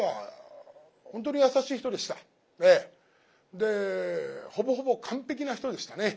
でほぼほぼ完璧な人でしたね。